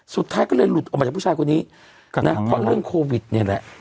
สุดท้ายก็เลยหลุดออกมาจากผู้ชายคนนี้นะเพราะเรื่องโควิดเนี่ยแหละ